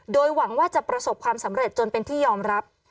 โดยหวังว่าจะประสบความสำเร็จจนเป็นที่ยอมรับ